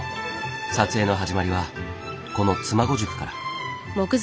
撮影の始まりはこの妻籠宿から。